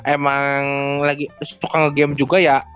emang lagi suka nge game juga ya